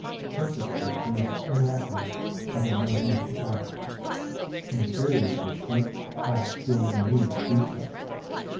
Perfect Virtue is inactive, having no need to act. Inferior Virtue acts, feeling the need to do so.